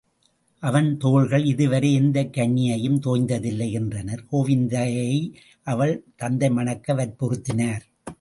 அவன் தோள்கள் இதுவரை எந்தக் கன்னியையும் தோய்ந்ததில்லை என்றனர், கோவிந்தையை அவள் தந்தை மணக்க வற்புறுத்தினார்.